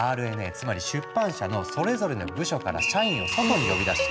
つまり出版社のそれぞれの部署から社員を外に呼び出し